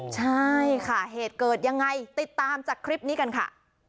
ใช่ค่ะเหตุเกิดยังไงติดตามจากคลิปนี้กันค่ะ